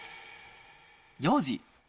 ４時。